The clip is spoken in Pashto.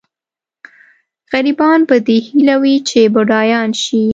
غریبان په دې هیله وي چې بډایان شي.